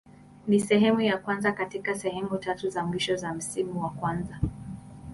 Ni sehemu ya kwanza katika sehemu tatu za mwisho za msimu wa kwanza.